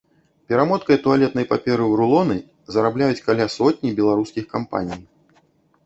Перамоткай туалетнай паперы ў рулоны зарабляюць каля сотні беларускіх кампаній.